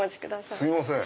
すいません。